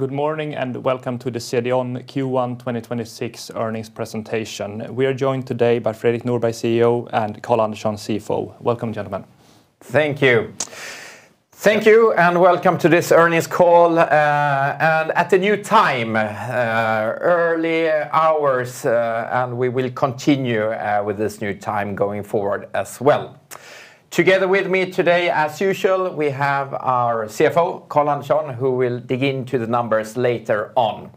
Good morning, and welcome to the CDON Q1 2026 earnings presentation. We are joined today by Fredrik Norberg, CEO, and Carl Andersson, CFO. Welcome, gentlemen. Thank you. Thank you, and welcome to this earnings call, and at a new time. Early hours, and we will continue with this new time going forward as well. Together with me today, as usual, we have our CFO, Carl Andersson, who will dig into the numbers later on.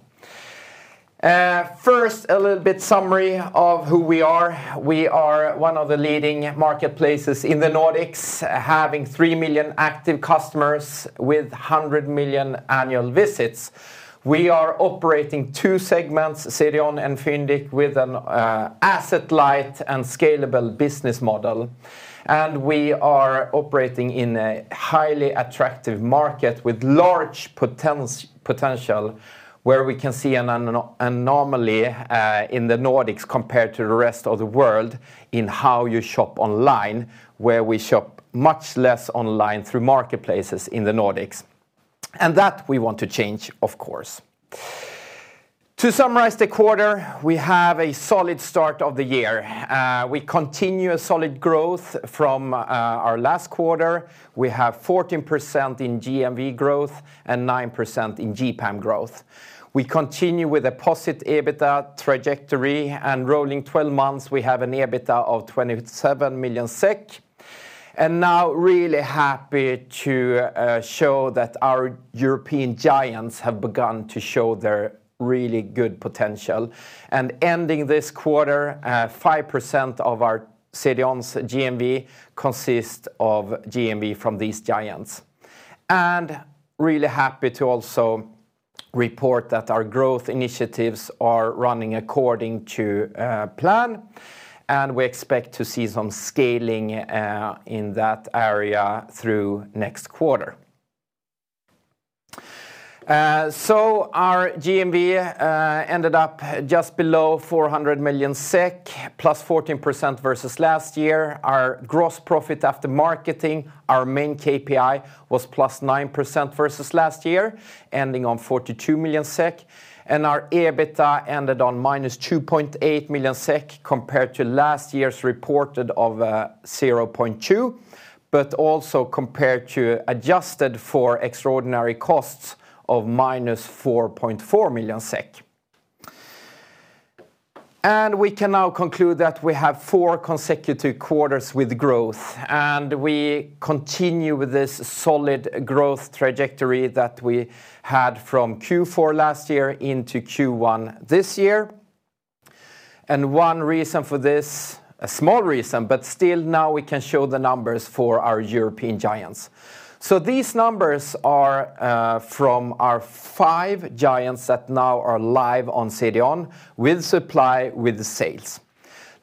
First, a little bit summary of who we are. We are one of the leading marketplaces in the Nordics, having three million active customers with 100 million annual visits. We are operating two segments, CDON and Fyndiq, with an asset-light and scalable business model. We are operating in a highly attractive market with large potential where we can see an anomaly in the Nordics compared to the rest of the world in how you shop online, where we shop much less online through marketplaces in the Nordics. That we want to change, of course. To summarize the quarter, we have a solid start of the year. We continue a solid growth from our last quarter. We have 14% in GMV growth and 9% in GPAM growth. We continue with a positive EBITDA trajectory, and rolling twelve months, we have an EBITDA of 27 million SEK. Now really happy to show that our European giants have begun to show their really good potential. Ending this quarter, 5% of our CDON's GMV consists of GMV from these giants. Really happy to also report that our growth initiatives are running according to plan, and we expect to see some scaling in that area through next quarter. Our GMV ended up just below 400 million SEK, plus 14% versus last year. Our gross profit after marketing, our main KPI, was plus 9% versus last year, ending on 42 million SEK. Our EBITDA ended on -2.8 million SEK compared to last year's reported of 0.2 million, but also compared to adjusted for extraordinary costs of -4.4 million SEK. We can now conclude that we have four consecutive quarters with growth, and we continue with this solid growth trajectory that we had from Q4 last year into Q1 this year. One reason for this, a small reason, but still now we can show the numbers for our European giants. These numbers are from our five giants that now are live on CDON with supply, with sales.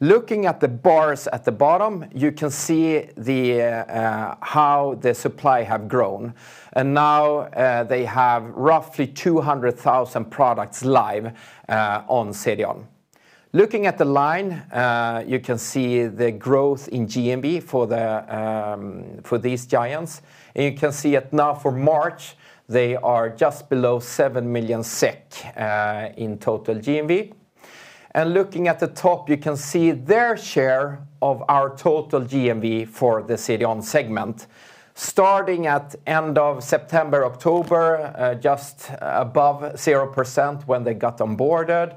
Looking at the bars at the bottom, you can see how the supply have grown. Now they have roughly 200,000 products live on CDON. Looking at the line, you can see the growth in GMV for these giants. You can see it now for March, they are just below 7 million SEK in total GMV. Looking at the top, you can see their share of our total GMV for the CDON segment. Starting at end of September, October, just above 0% when they got onboarded.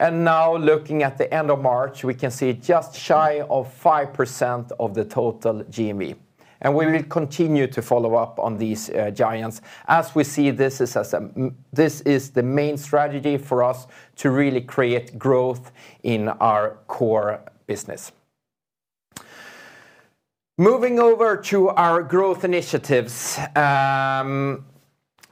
Now looking at the end of March, we can see just shy of 5% of the total GMV. We will continue to follow up on these giants as we see this is the main strategy for us to really create growth in our core business. Moving over to our growth initiatives.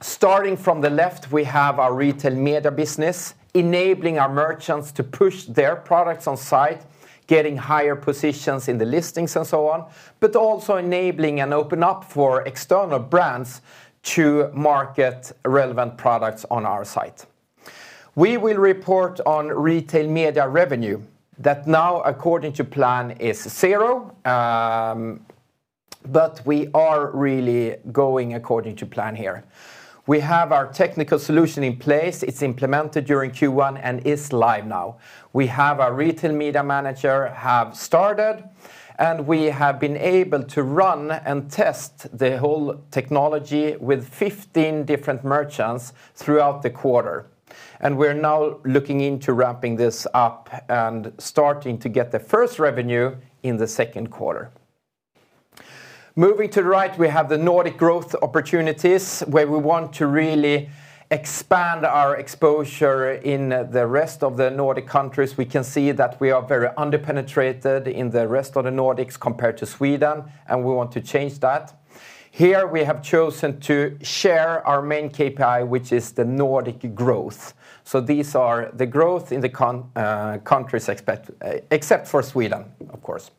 Starting from the left, we have our retail media business, enabling our merchants to push their products on site, getting higher positions in the listings and so on, but also enabling an open up for external brands to market relevant products on our site. We will report on retail media revenue that now according to plan is zero, but we are really going according to plan here. We have our technical solution in place. It's implemented during Q1 and is live now. We have our retail media manager has started, and we have been able to run and test the whole technology with 15 different merchants throughout the quarter. We're now looking into ramping this up and starting to get the first revenue in the second quarter. Moving to the right, we have the Nordic growth opportunities where we want to really expand our exposure in the rest of the Nordic countries. We can see that we are very under-penetrated in the rest of the Nordics compared to Sweden, and we want to change that. Here we have chosen to share our main KPI, which is the Nordic Growth. These are the growth in the countries except for Sweden, of course.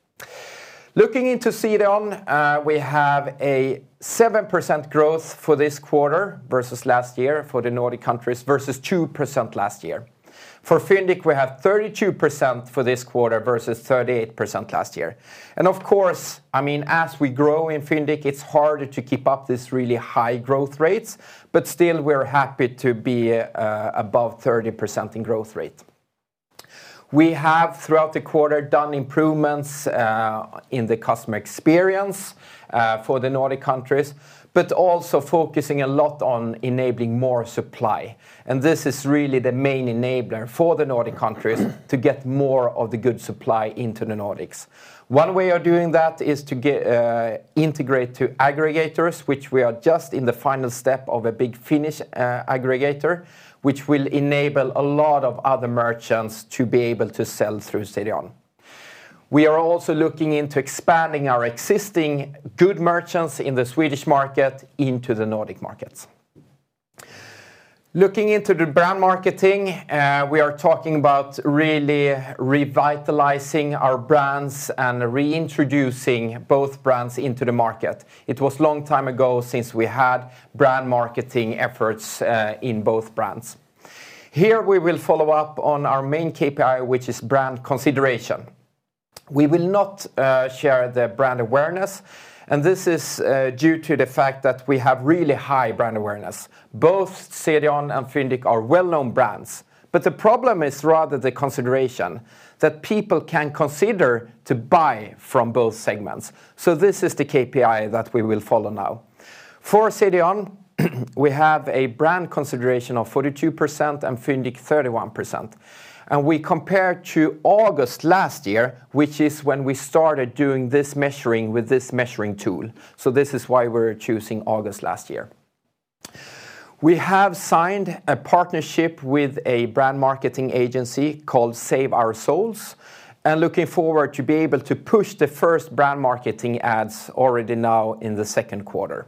Looking into CDON, we have a 7% growth for this quarter versus last year for the Nordic countries, versus 2% last year. For Fyndiq, we have 32% for this quarter versus 38% last year. Of course, as we grow in Fyndiq, it's harder to keep up this really high growth rates, but still we're happy to be above 30% in growth rate. We have, throughout the quarter, done improvements in the customer experience for the Nordic countries, but also focusing a lot on enabling more supply. This is really the main enabler for the Nordic countries to get more of the good supply into the Nordics. One way of doing that is to integrate to aggregators, which we are just in the final step of a big Finnish aggregator, which will enable a lot of other merchants to be able to sell through CDON. We are also looking into expanding our existing good merchants in the Swedish market into the Nordic markets. Looking into the brand marketing, we are talking about really revitalizing our brands and reintroducing both brands into the market. It was a long time ago since we had brand marketing efforts in both brands. Here we will follow up on our main KPI, which is brand consideration. We will not share the brand awareness, and this is due to the fact that we have really high brand awareness. Both CDON and Fyndiq are well-known brands, but the problem is rather the consideration that people can consider to buy from both segments. This is the KPI that we will follow now. For CDON, we have a brand consideration of 42% and Fyndiq 31%. We compare to August last year, which is when we started doing this measuring with this measuring tool. This is why we're choosing August last year. We have signed a partnership with a brand marketing agency called Save-Our-Souls, and looking forward to be able to push the first brand marketing ads already now in the second quarter.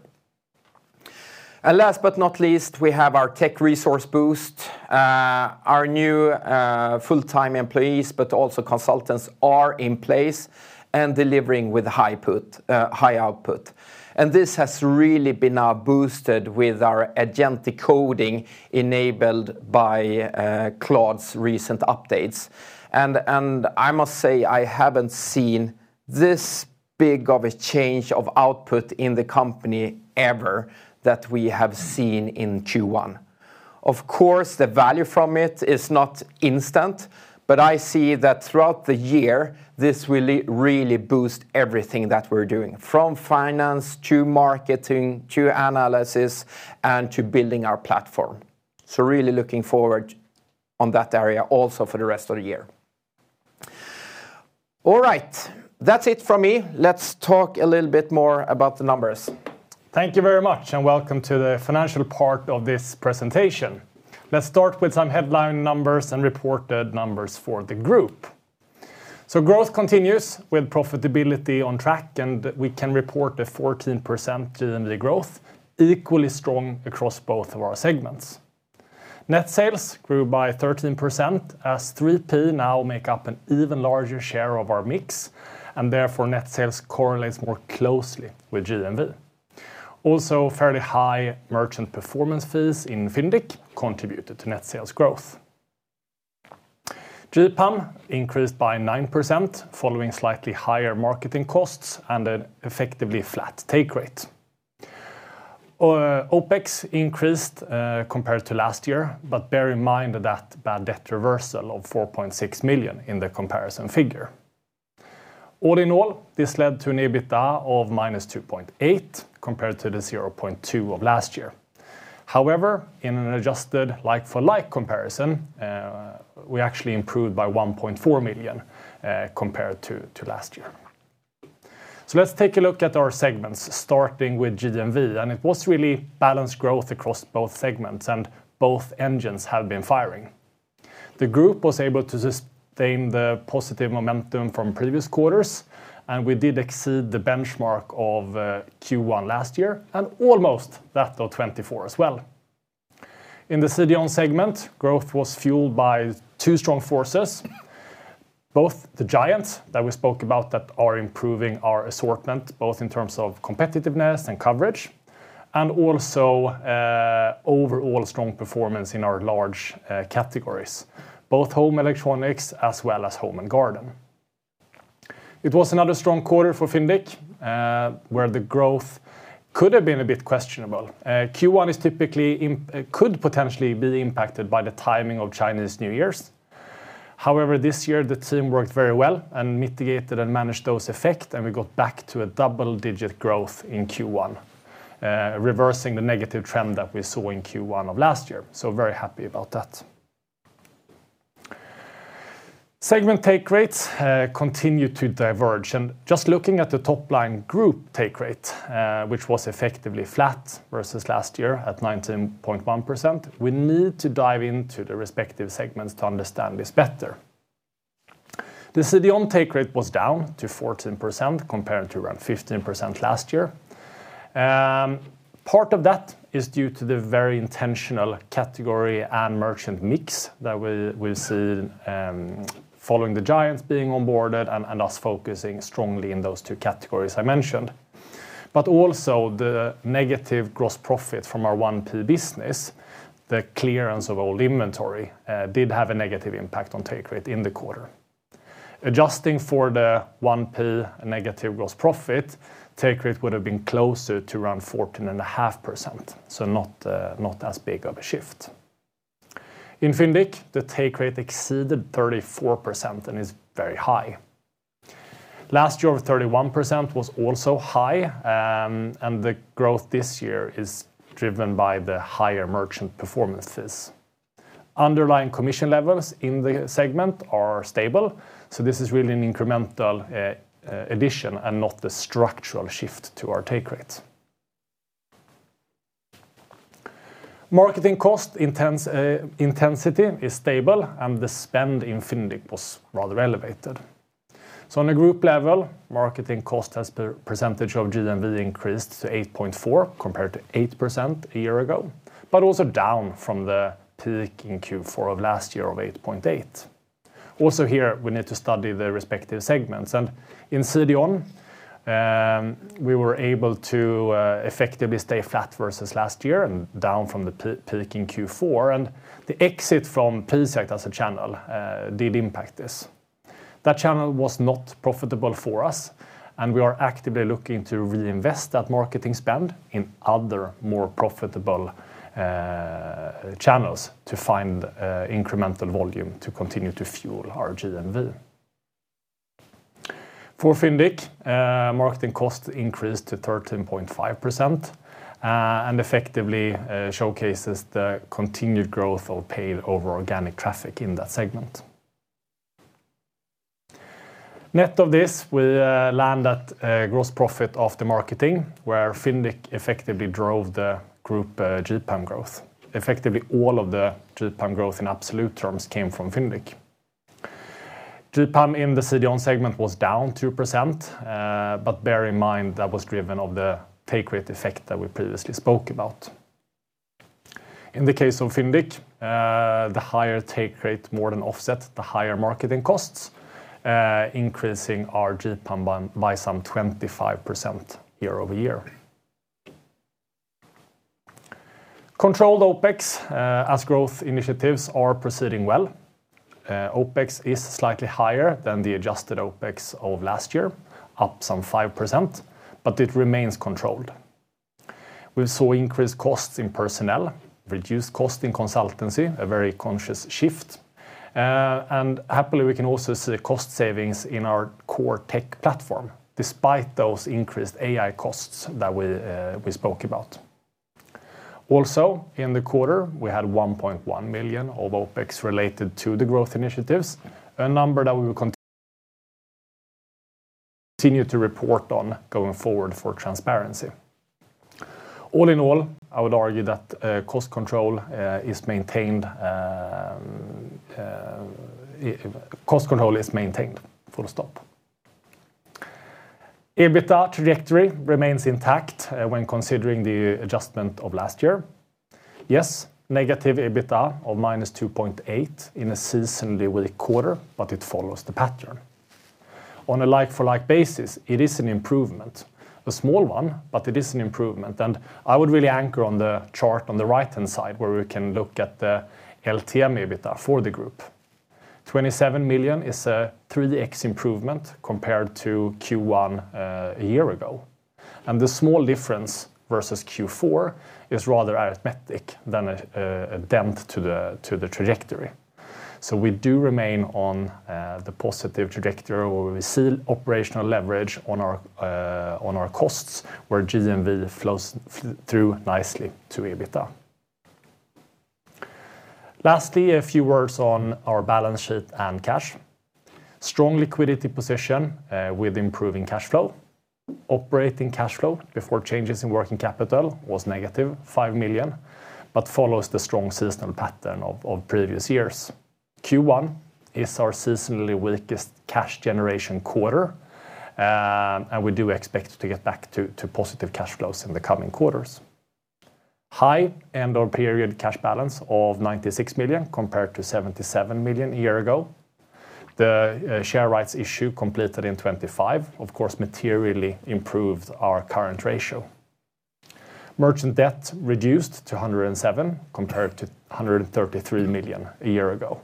Last but not least, we have our tech resource boost. Our new full-time employees, but also consultants, are in place and delivering with high output. This has really been now boosted with our agentic coding enabled by Claude's recent updates. I must say, I haven't seen this big of a change of output in the company ever that we have seen in Q1. Of course, the value from it is not instant, but I see that throughout the year, this will really boost everything that we're doing, from finance to marketing, to analysis and to building our platform. Really looking forward on that area also for the rest of the year. All right. That's it from me. Let's talk a little bit more about the numbers. Thank you very much, and welcome to the financial part of this presentation. Let's start with some headline numbers and reported numbers for the group. Growth continues with profitability on track, and we can report a 14% GMV growth, equally strong across both of our segments. Net sales grew by 13% as 3P now make up an even larger share of our mix, and therefore net sales correlates more closely with GMV. Also, fairly high Merchant Performance Fees in Fyndiq contributed to net sales growth. GPAM increased by 9%, following slightly higher marketing costs and an effectively flat take rate. OPEX increased compared to last year, but bear in mind that bad debt reversal of 4.6 million in the comparison figure. All in all, this led to an EBITDA of -2.8 million, compared to the 0.2 million of last year. However, in an adjusted like-for-like comparison, we actually improved by 1.4 million compared to last year. Let's take a look at our segments, starting with GMV. It was really balanced growth across both segments and both engines have been firing. The group was able to sustain the positive momentum from previous quarters, and we did exceed the benchmark of Q1 last year and almost that of 2024 as well. In the CDON segment, growth was fueled by two strong forces, both the giants that we spoke about that are improving our assortment, both in terms of competitiveness and coverage, and also overall strong performance in our large categories, both home electronics as well as home and garden. It was another strong quarter for Fyndiq, where the growth could have been a bit questionable. Q1 could potentially be impacted by the timing of Chinese New Year. However, this year the team worked very well and mitigated and managed those effects, and we got back to a double-digit growth in Q1, reversing the negative trend that we saw in Q1 of last year. Very happy about that. Segment take rates continue to diverge. Just looking at the top line group take rate, which was effectively flat versus last year at 19.1%, we need to dive into the respective segments to understand this better. The CDON take rate was down to 14%, compared to around 15% last year. Part of that is due to the very intentional category and merchant mix that we've seen following the giants being onboarded and us focusing strongly in those two categories I mentioned. Also the negative gross profit from our 1P business, the clearance of old inventory, did have a negative impact on take rate in the quarter. Adjusting for the 1P negative gross profit, take rate would have been closer to around 14.5%. Not as big of a shift. In Fyndiq, the take rate exceeded 34% and is very high. Last year, 31% was also high, and the growth this year is driven by the higher merchant performances. Underlying commission levels in the segment are stable, so this is really an incremental addition and not the structural shift to our take rate. Marketing cost intensity is stable, and the spend in Fyndiq was rather elevated. On a group level, marketing cost as percentage of GMV increased to 8.4% compared to 8% a year ago, but also down from the peak in Q4 of last year of 8.8%. Also here, we need to study the respective segments. In CDON, we were able to effectively stay flat versus last year and down from the peak in Q4. The exit from Prisjakt as a channel did impact this. That channel was not profitable for us, and we are actively looking to reinvest that marketing spend in other, more profitable channels to find incremental volume to continue to fuel our GMV. For Fyndiq, marketing cost increased to 13.5% and effectively showcases the continued growth of paid over organic traffic in that segment. Net of this, we land at gross profit after marketing, where Fyndiq effectively drove the group GPAM growth. Effectively all of the GPAM growth in absolute terms came from Fyndiq. GPAM in the CDON segment was down 2%, but bear in mind, that was driven by the take rate effect that we previously spoke about. In the case of Fyndiq, the higher take rate more than offset the higher marketing costs, increasing our GPAM by some 25% year-over-year. Controlled OPEX, as growth initiatives are proceeding well. OPEX is slightly higher than the adjusted OPEX of last year, up some 5%, but it remains controlled. We saw increased costs in personnel, reduced cost in consultancy, a very conscious shift. Happily, we can also see cost savings in our core tech platform, despite those increased AI costs that we spoke about. Also, in the quarter, we had 1.1 million of OPEX related to the growth initiatives, a number that we will continue to report on going forward for transparency. All in all, I would argue that cost control is maintained. Full stop. EBITDA trajectory remains intact when considering the adjustment of last year. Yes, negative EBITDA of -2.8 million in a seasonally weak quarter, but it follows the pattern. On a like-for-like basis, it is an improvement, a small one, but it is an improvement. I would really anchor on the chart on the right-hand side where we can look at the LTM EBITDA for the group. 27 million is a 3x improvement compared to Q1 a year ago, and the small difference versus Q4 is rather arithmetic than a dent to the trajectory. We do remain on the positive trajectory where we see operational leverage on our costs where GMV flows through nicely to EBITDA. Lastly, a few words on our balance sheet and cash. Strong liquidity position with improving cash flow. Operating cash flow before changes in working capital was -5 million, but follows the strong seasonal pattern of previous years. Q1 is our seasonally weakest cash generation quarter, and we do expect to get back to positive cash flows in the coming quarters. End-of-period cash balance of 96 million compared to 77 million a year ago. The share rights issue completed in 2025, of course, materially improved our current ratio. Merchant debt reduced to 107 million compared to 133 million a year ago.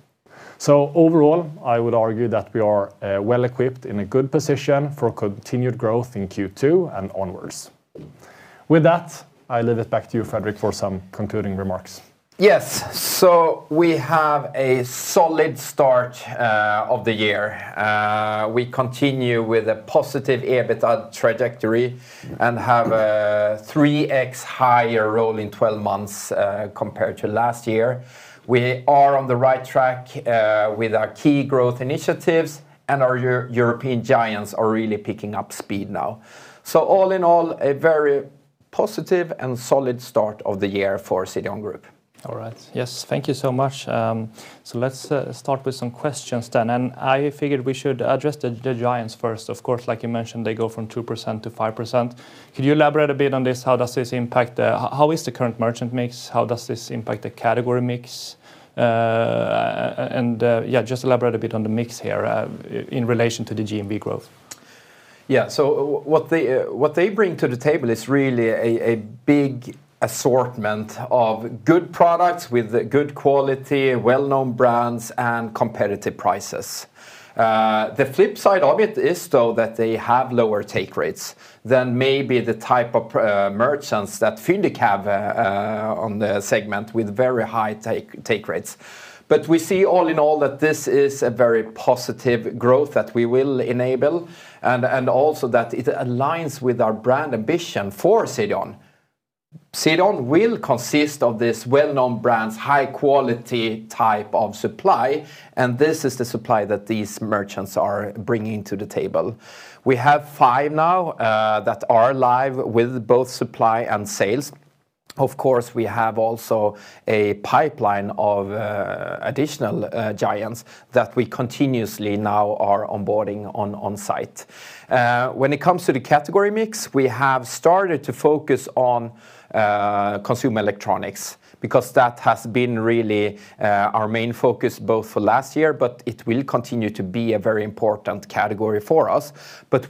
Overall, I would argue that we are well equipped, in a good position for continued growth in Q2 and onwards. With that, I leave it back to you, Fredrik, for some concluding remarks. Yes. We have a solid start of the year. We continue with a positive EBITDA trajectory and have a 3x higher rolling twelve months compared to last year. We are on the right track with our key growth initiatives, and our European giants are really picking up speed now. All in all, a very positive and solid start of the year for CDON Group. All right. Yes. Thank you so much. Let's start with some questions then. I figured we should address the giants first. Of course, like you mentioned, they go from 2%-5%. Could you elaborate a bit on this? How is the current merchant mix? How does this impact the category mix? Just elaborate a bit on the mix here in relation to the GMV growth. Yeah. What they bring to the table is really a big assortment of good products with good quality, well-known brands, and competitive prices. The flip side of it is, though, that they have lower take rates than maybe the type of merchants that Fyndiq have on the segment with very high take rates. We see all in all that this is a very positive growth that we will enable and also that it aligns with our brand ambition for CDON. CDON will consist of these well-known brands, high-quality type of supply, and this is the supply that these merchants are bringing to the table. We have five now that are live with both supply and sales. Of course, we have also a pipeline of additional giants that we continuously now are onboarding on site. When it comes to the category mix, we have started to focus on consumer electronics because that has been really our main focus both for last year, but it will continue to be a very important category for us.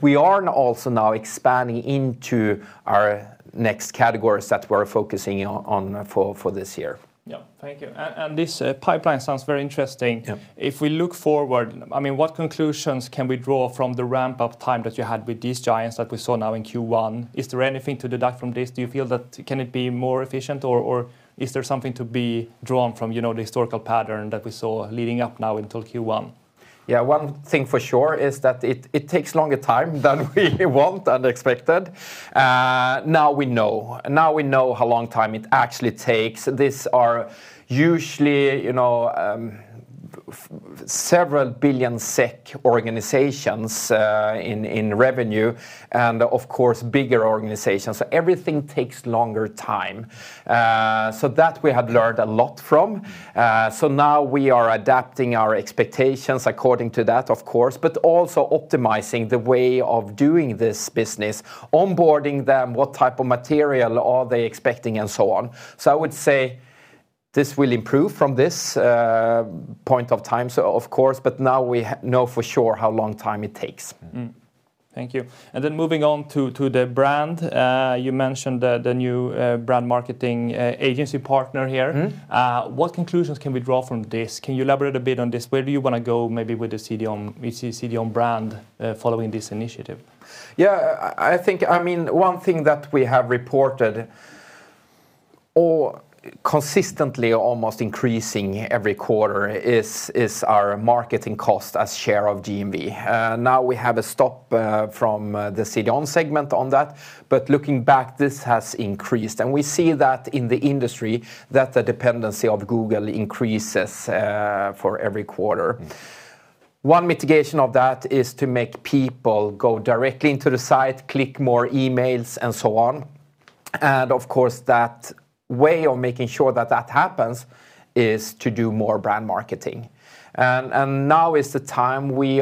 We are also now expanding into our next categories that we're focusing on for this year. Yeah. Thank you. This pipeline sounds very interesting. Yep. If we look forward, what conclusions can we draw from the ramp-up time that you had with these giants that we saw now in Q1? Is there anything to deduce from this? Do you feel that it can be more efficient, or is there something to be drawn from the historical pattern that we saw leading up now until Q1? Yeah, one thing for sure is that it takes longer time than we want and expected. Now we know how long time it actually takes. These are usually several billion SEK organizations in revenue and, of course, bigger organizations, so everything takes longer time that we have learned a lot from, so now we are adapting our expectations according to that, of course, but also optimizing the way of doing this business, onboarding them, what type of material are they expecting, and so on. I would say this will improve from this point of time, of course, but now we know for sure how long time it takes. Thank you. Moving on to the brand. You mentioned the new brand marketing agency partner here. Mm-hmm. What conclusions can we draw from this? Can you elaborate a bit on this? Where do you want to go maybe with the CDON brand following this initiative? Yeah, one thing that we have reported consistently almost increasing every quarter is our marketing cost as share of GMV. Now we have a stat from the CDON segment on that. Looking back, this has increased, and we see that in the industry, that the dependency of Google increases for every quarter. One mitigation of that is to make people go directly into the site, click more emails, and so on. Of course, that way of making sure that that happens is to do more brand marketing. Now is the time. We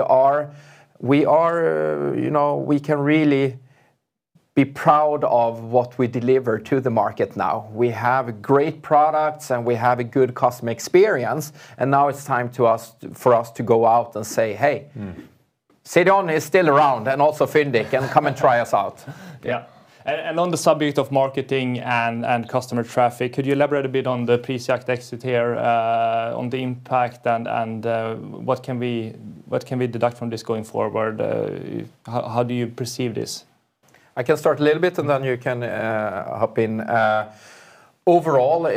can really be proud of what we deliver to the market now. We have great products, and we have a good customer experience, and now it's time for us to go out and say, "Hey. CDON is still around and also Fyndiq, and come and try us out. Yeah. On the subject of marketing and customer traffic, could you elaborate a bit on the Prisjakt exit here, on the impact and what can we deduct from this going forward? How do you perceive this? I can start a little bit, and then you can hop in. Overall,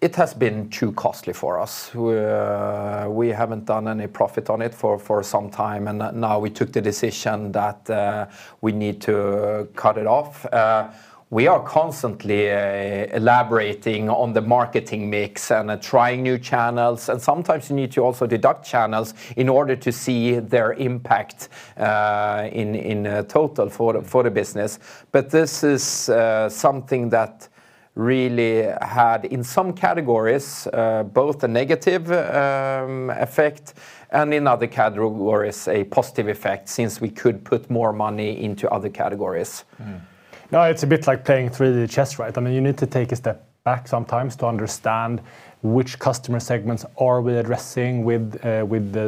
it has been too costly for us. We haven't done any profit on it for some time, and now we took the decision that we need to cut it off. We are constantly elaborating on the marketing mix and trying new channels, and sometimes you need to also deduct channels in order to see their impact in total for the business. This is something that really had, in some categories, both a negative effect, and in other categories, a positive effect since we could put more money into other categories. Mm. No, it's a bit like playing 3D chess, right? You need to take a step back sometimes to understand which customer segments are we addressing with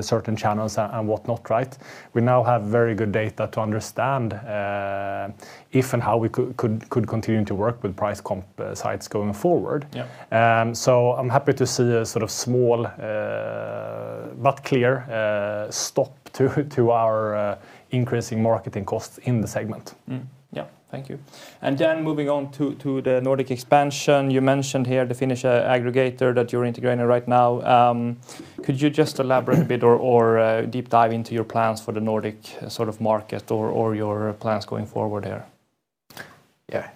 certain channels and whatnot, right? We now have very good data to understand if and how we could continue to work with price comp sites going forward. Yeah. I'm happy to see a sort of small but clear stop to our increasing marketing costs in the segment. Thank you. Jan, moving on to the Nordic expansion, you mentioned here the Finnish aggregator that you're integrating right now. Could you just elaborate a bit or deep dive into your plans for the Nordic market or your plans going forward here? Yeah.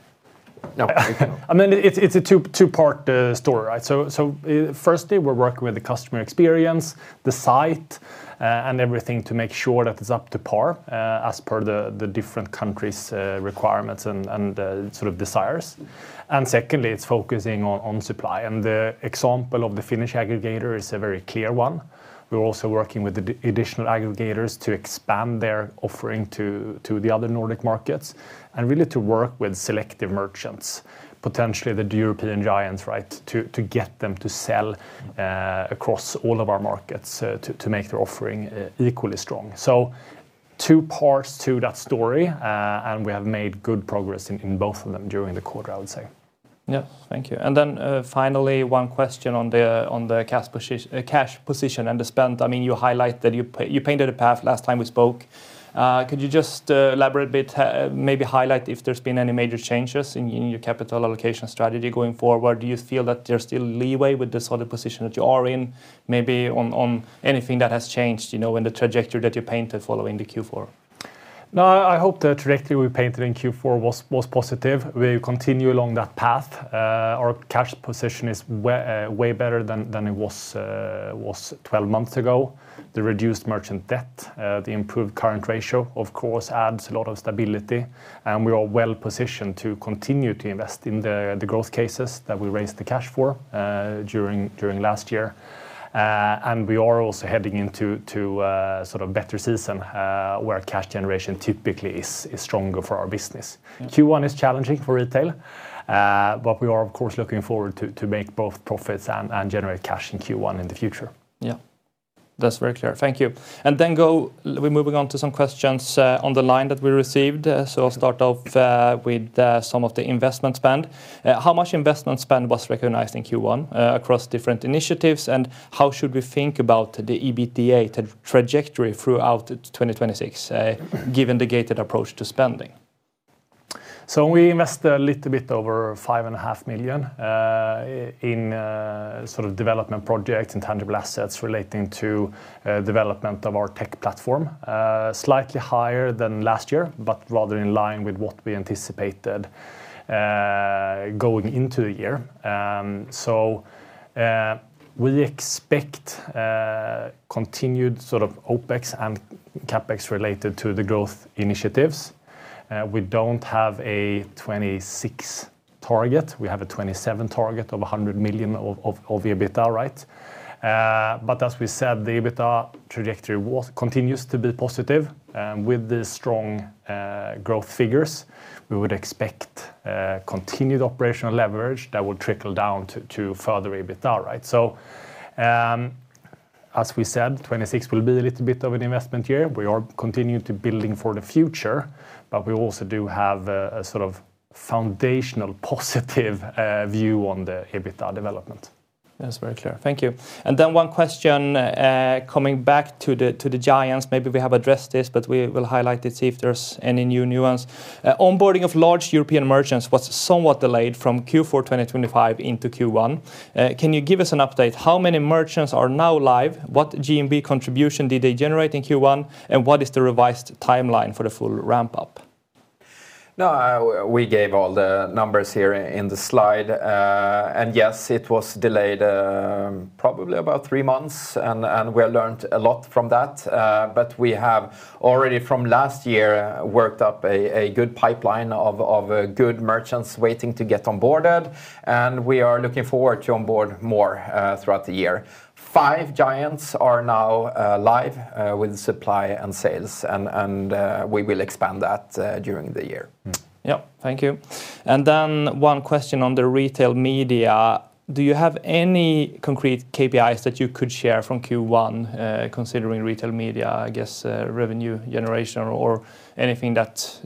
No, you go. It's a two-part story, right? Firstly, we're working with the customer experience, the site, and everything to make sure that it's up to par as per the different countries' requirements and sort of desires. Secondly, it's focusing on supply. The example of the Finnish aggregator is a very clear one. We're also working with additional aggregators to expand their offering to the other Nordic markets and really to work with selective merchants, potentially the European giants, right, to get them to sell across all of our markets to make their offering equally strong. Two parts to that story, and we have made good progress in both of them during the quarter, I would say. Yeah. Thank you. Finally, one question on the cash position and the spend. You painted a path last time we spoke. Could you just elaborate a bit, maybe highlight if there's been any major changes in your capital allocation strategy going forward? Do you feel that there's still leeway with the solid position that you are in, maybe on anything that has changed, in the trajectory that you painted following the Q4? No, I hope the trajectory we painted in Q4 was positive. We continue along that path. Our cash position is way better than it was twelve months ago. The reduced merchant debt, the improved current ratio, of course, adds a lot of stability, and we are well-positioned to continue to invest in the growth cases that we raised the cash for during last year. We are also heading into better season, where cash generation typically is stronger for our business. Q1 is challenging for retail. We are, of course, looking forward to make both profits and generate cash in Q1 in the future. Yeah. That's very clear. Thank you. We're moving on to some questions on the line that we received. I'll start off with some of the investment spend. How much investment spend was recognized in Q1 across different initiatives, and how should we think about the EBITDA trajectory throughout 2026, given the gated approach to spending? We invest a little bit over 5.5 million in development project and tangible assets relating to development of our tech platform. Slightly higher than last year, but rather in line with what we anticipated going into the year. We expect continued OPEX and CapEx related to the growth initiatives. We don't have a 2026 target. We have a 2027 target of 100 million of EBITDA. As we said, the EBITDA trajectory continues to be positive. With the strong growth figures, we would expect continued operational leverage that will trickle down to further EBITDA. As we said, 2026 will be a little bit of an investment year. We are continuing to building for the future. We also do have a foundational positive view on the EBITDA development. That's very clear. Thank you. One question, coming back to the giants. Maybe we have addressed this, but we will highlight it, see if there's any new nuance. Onboarding of large European merchants was somewhat delayed from Q4 2025 into Q1. Can you give us an update? How many merchants are now live? What GMV contribution did they generate in Q1, and what is the revised timeline for the full ramp-up? No, we gave all the numbers here in the slide. Yes, it was delayed probably about three months, and we learned a lot from that. We have already from last year, worked up a good pipeline of good merchants waiting to get onboarded, and we are looking forward to onboard more throughout the year. Five giants are now live with supply and sales, and we will expand that during the year. Yep. Thank you. One question on the retail media. Do you have any concrete KPIs that you could share from Q1 considering retail media, I guess, revenue generation or anything that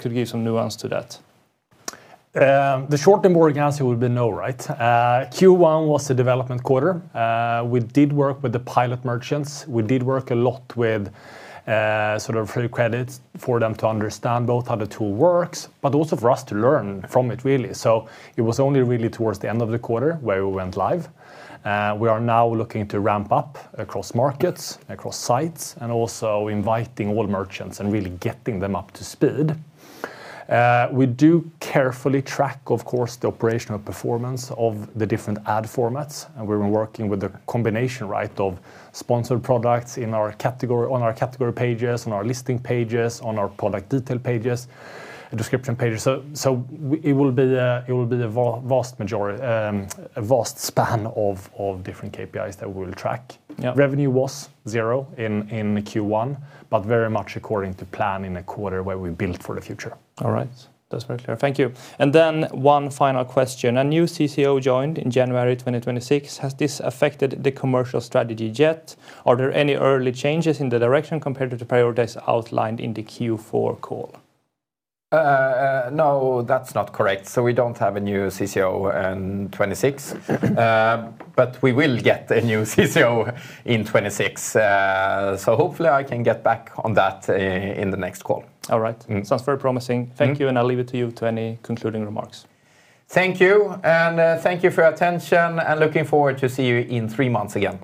could give some nuance to that? The short and boring answer would be no. Q1 was a development quarter. We did work with the pilot merchants. We did work a lot with free credits for them to understand both how the tool works, but also for us to learn from it, really. It was only really towards the end of the quarter where we went live. We are now looking to ramp up across markets, across sites, and also inviting all merchants and really getting them up to speed. We do carefully track, of course, the operational performance of the different ad formats, and we've been working with a combination of Sponsored Products on our category pages, on our listing pages, on our product detail pages, the description pages. It will be a vast span of different KPIs that we'll track. Yeah. Revenue was zero in Q1, but very much according to plan in a quarter where we built for the future. All right. That's very clear. Thank you. One final question. A new CCO joined in January 2026. Has this affected the commercial strategy yet? Are there any early changes in the direction compared to the priorities outlined in the Q4 call? No, that's not correct. We don't have a new CCO in 2026. We will get a new CCO in 2026. Hopefully I can get back on that in the next call. All right. Sounds very promising. Thank you, and I'll leave it to you to any concluding remarks. Thank you, and thank you for your attention, and looking forward to see you in three months again.